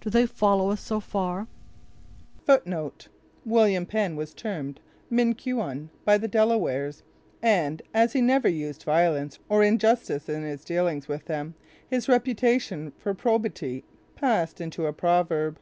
Do they follow us so far?" William Penn was termed Minquon by the Delawares, and, as he never used violence or injustice in his dealings with them, his reputation for probity passed into a proverb.